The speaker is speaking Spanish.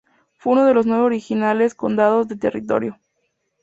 Fue uno de los nueve originales condados del territorio.